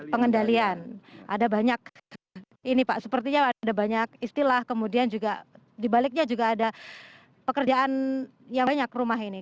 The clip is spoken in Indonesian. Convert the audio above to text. pengendalian ada banyak ini pak sepertinya ada banyak istilah kemudian juga dibaliknya juga ada pekerjaan yang banyak rumah ini